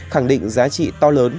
khẳng định giá trị to lớn